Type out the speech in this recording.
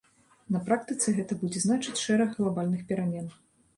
На практыцы гэта будзе значыць шэраг глабальных перамен.